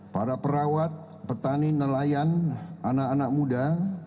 para perawat petani nelayan anak anak muda